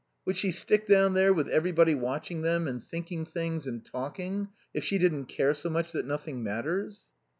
Would she stick down there, with everybody watching them and thinking things and talking, if she didn't care so much that nothing matters?"